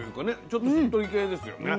ちょっとしっとり系ですよね。